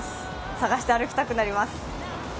探して歩きたくなります。